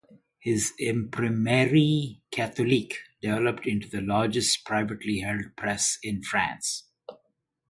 His "Imprimerie Catholique" developed into the largest privately held press in France.